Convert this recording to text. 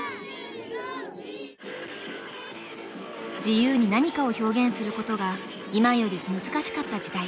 自由に何かを表現することが今より難しかった時代。